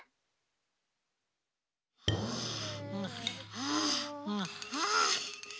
はあはあ。